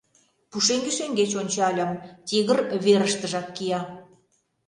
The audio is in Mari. Пушеҥге шеҥгеч ончальым, тигр верыштыжак кия.